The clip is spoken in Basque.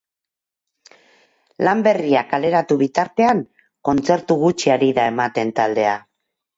Lan berria kaleratu bitartean, kontzertu gutxi ari da ematen taldea.